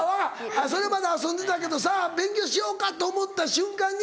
それまで遊んでたけどさぁ勉強しようかと思った瞬間に。